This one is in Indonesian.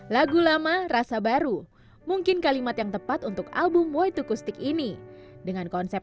lagu lama rasa baru mungkin kalimat yang tepat untuk album way to kustik ini dengan konsep